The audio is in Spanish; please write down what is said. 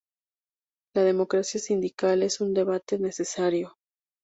La democracia sindical es un debate necesario.